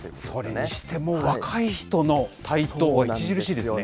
それにしても若い人の台頭著しいですよね。